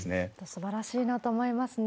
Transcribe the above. すばらしいなと思いますね。